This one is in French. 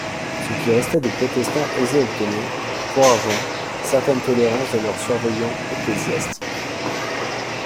Ce qui restait de protestants aisés obtenaient, pour argent, certaines tolérances de leurs surveillants ecclésiastiques.